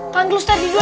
kan terus tadi ya